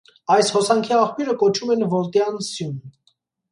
Այս հոսանքի աղբյուրը կոչում են վոլտյան սյուն։